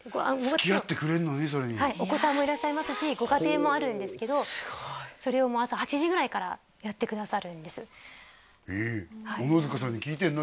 それにお子さんもいらっしゃいますしご家庭もあるんですけどそれを朝８時ぐらいからやってくださるんです小野塚さんに聞いてんの？